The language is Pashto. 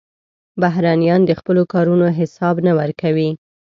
بهرنیان د خپلو کارونو حساب نه ورکوي.